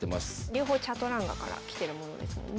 両方チャトランガからきてるものですもんね。